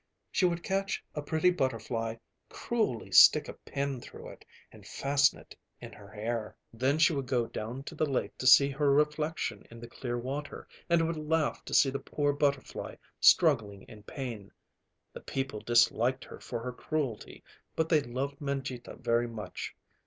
She would catch a pretty butterfly, cruelly stick a pin through it, and fasten it in her hair. Then she would go down to the lake to see her reflection in the clear water, and would laugh to see the poor butterfly struggling in pain. The people disliked her for her cruelty, but they loved Mangita very much.